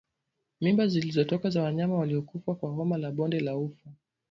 Mimba zilizotoka za wanyama waliokufa kwa homa ya bonde la ufa